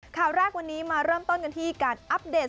ข่าวแรกวันนี้มาเริ่มต้นกันที่การอัปเดต